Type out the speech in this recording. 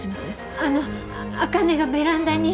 あの茜がベランダに。